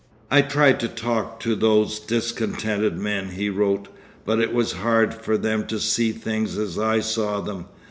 'I tried to talk to those discontented men,' he wrote, 'but it was hard for them to see things as I saw them.